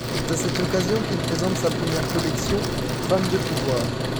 C'est à cette occasion qu'il présente sa premiere collection “Femmes de Pouvoir”.